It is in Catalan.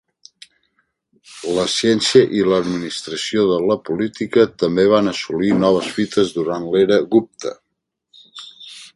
La ciència i l'administració de la política també van assolir noves fites durant l'era Gupta.